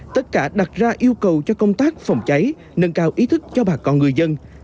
tất cả đặt ra yêu cầu cho công tác phòng cháy nâng cao ý thức cho bà con người dân